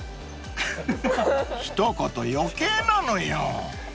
［一言余計なのよ］